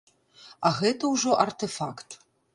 А гэта ўжо артэфакт.